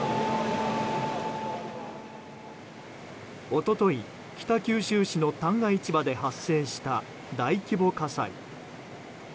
一昨日、北九州市の旦過市場で発生した大規模火災。